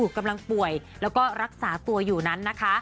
กำลังป่วยแล้วก็รักษาตัวอยู่นั้นนะคะ